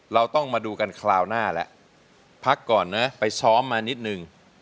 เราต้องมาดูกันคราวหน้าแล้วพักก่อนนะไปซ้อมมานิดนึง